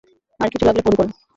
আর কিছু লাগলে ফোন করব।